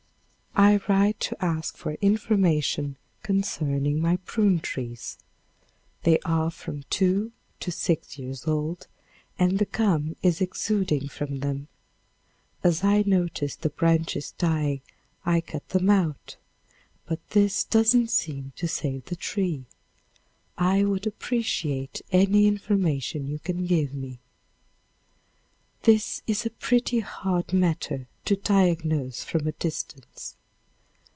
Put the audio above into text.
I write to ask for information concerning my prune trees. They are from two to six years old and the gum is exuding from them. As I notice the branches dying I cut them out, but this doesn't seem to save the tree. I would appreciate any information you can give me. This is a pretty hard matter to diagnose from a distance.